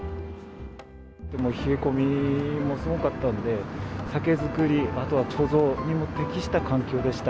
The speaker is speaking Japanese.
冷え込みもすごかったんで、酒造り、あとは貯蔵にも適した環境でした。